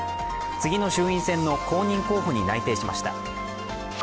次の衆院選の公認候補に内定しました。